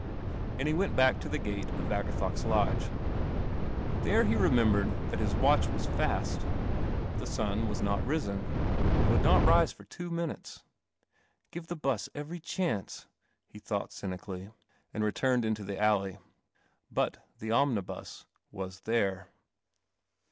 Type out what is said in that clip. Vnd he went l».uk I the .'• f Aeathox 1 dec. There be remembered that his watch vi The sun was not risen; it would not rise for minute " Give the bus even chance," he thought cynically, and returned into the alley. * But the I'mnihus \\ a there.